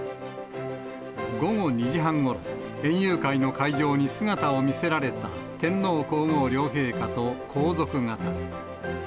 午後２時半ごろ、園遊会の会場に姿を見せられた、天皇皇后両陛下と皇族方。